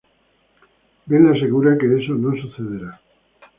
Ben le asegura que eso no sucederá.